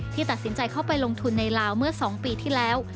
ตัดสินใจเข้าไปลงทุนในลาวเมื่อ๒ปีที่แล้ว